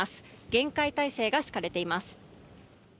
厳戒態勢が敷かれています。